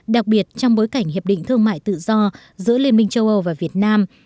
đặc biệt trong bối cảnh hiệp định thương mại tự do giữa liên minh châu âu và việt nam